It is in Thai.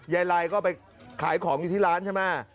ไรก็ไปขายของอยู่ที่ร้านใช่ไหม